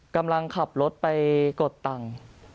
กำลังขับรถไปกดตังค์